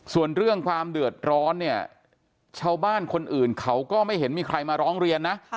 ส่วนเรื่องความเดือดร้อนเนี่ยชาวบ้านคนอื่นเขาก็ไม่เห็นมีใครมาร้องเรียนนะ